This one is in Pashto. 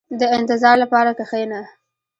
• د انتظار لپاره کښېنه.